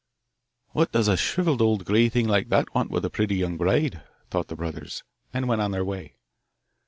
'What does a shrivelled old grey thing like that want with a pretty young bride?' thought the brothers, and went on their way.